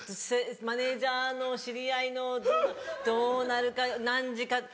マネジャーの知り合いのどうなるか何時か」。